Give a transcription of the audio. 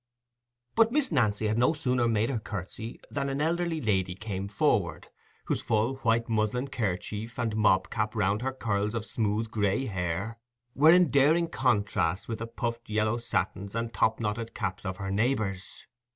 But Miss Nancy had no sooner made her curtsy than an elderly lady came forward, whose full white muslin kerchief, and mob cap round her curls of smooth grey hair, were in daring contrast with the puffed yellow satins and top knotted caps of her neighbours.